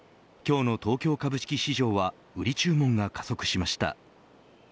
今日の東京株式市場は売り注文が加速しました。